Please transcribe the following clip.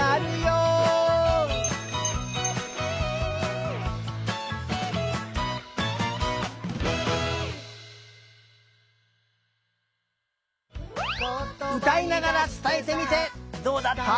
うたいながらつたえてみてどうだった？